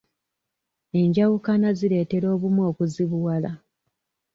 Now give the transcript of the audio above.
Enjawukana zireetera obumu okuzibuwala.